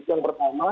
itu yang pertama